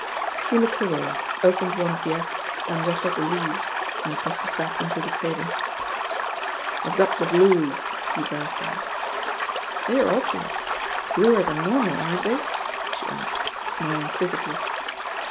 He looked away, opened one of the acts and ru£3ed the leaves, and tossed it back on to the table. "I've got the blues I" he burst out. "They're obvious. ... Bluer than norma], aren't they?" she asked, smiling crookedly.